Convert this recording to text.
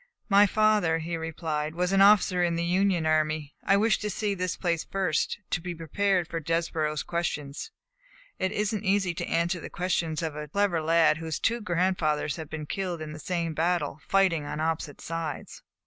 "My father," he replied, "was an officer in the Union army. I wished to see this place first, to be prepared for Desborough's questions. It is n't easy to answer the questions of a clever lad whose two grandfathers have been killed in the same battle, fighting on opposite sides."